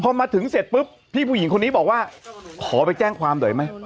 พอมาถึงเสร็จปุ๊บพี่ผู้หญิงคนนี้บอกว่าขอไปแจ้งความหน่อยไหม